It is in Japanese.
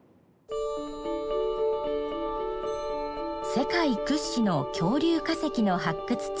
世界屈指の恐竜化石の発掘地